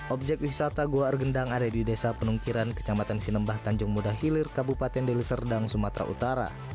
objek wisata goa air gendang ada di desa penungkiran kecamatan sinebah tanjung muda hilir kabupaten deli serdang sumatera utara